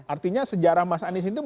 artinya sejarah mas anies itu